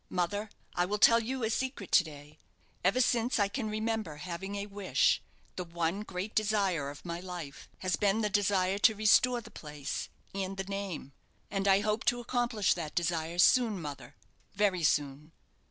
Mother, I will tell you a secret to day: ever since I can remember having a wish, the one great desire of my life has been the desire to restore the place and the name; and I hope to accomplish that desire soon, mother very soon."